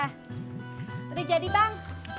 itu dia jadi bang